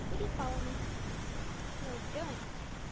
would he follow me?' 'Where are you going?'